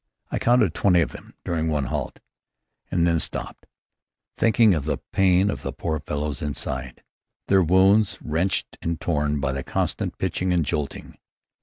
I counted twenty of them during one halt, and then stopped, thinking of the pain of the poor fellows inside, their wounds wrenched and torn by the constant pitching and jolting.